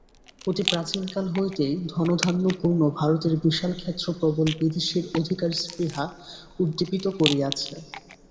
অতি প্রাচীনকাল হইতেই ধনধান্যপূর্ণ ভারতের বিশাল ক্ষেত্র প্রবল বিদেশীর অধিকারস্পৃহা উদ্দীপিত করিয়াছে।